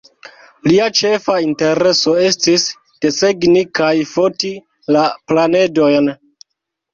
Lia ĉefa intereso estis desegni kaj foti la planedojn.